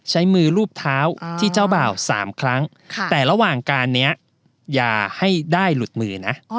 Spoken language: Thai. ใช้มือรูปเท้าที่เจ้าบ่าว๓ครั้งแต่ระหว่างการนี้อย่าให้ได้หลุดมือนะ